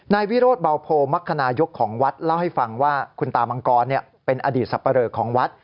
นายวิโรธเบาโพมักคณายกของวัดเล่าให้ฟังว่าคุณตามังกรเป็นอดีตสับปะเรอของวัด